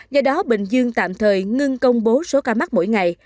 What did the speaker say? do đó bình dương tạm thời ngưng công bố số ca mắc mỗi ngày